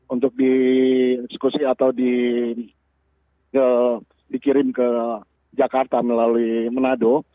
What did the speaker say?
untuk dikirim ke jakarta melalui menado